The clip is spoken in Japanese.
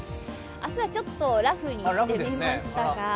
明日はちょっとラフにしてみましたが。